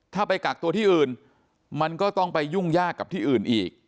ถ้าไปกักตัวที่อื่นมันก็ต้องไปยุ่งยากกับที่อื่นอีก